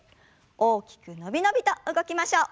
大きくのびのびと動きましょう。